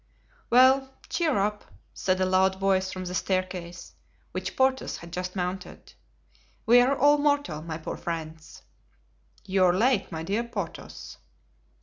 "Well, cheer up!" said a loud voice from the staircase, which Porthos had just mounted. "We are all mortal, my poor friends." "You are late, my dear Porthos."